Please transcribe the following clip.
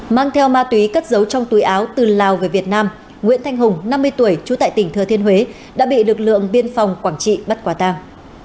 mang theo ma túy cất dấu trong túi áo từ lào về việt nam nguyễn thanh hùng năm mươi tuổi trú tại tỉnh thừa thiên huế đã bị lực lượng biên phòng quảng trị bắt quả tàng